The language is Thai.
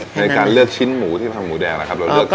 ในการเลือกชิ้นหมูที่ทำหมูแดงนะครับ